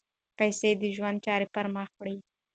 پیسې د ژوند چارې پر مخ وړي.